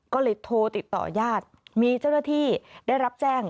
ก็เลยโทรติดต่อญาติมีเจ้าหน้าที่ได้รับแจ้ง